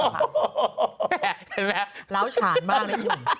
เห็นไหมแล้วฉาดมากนะคุณ